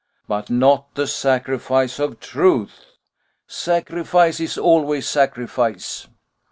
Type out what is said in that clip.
"But not the sacrifice of truth." "Sacrifice is always sacrifice."